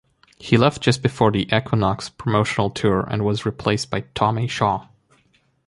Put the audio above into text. He left just before the Equinox promotional tour and was replaced by Tommy Shaw.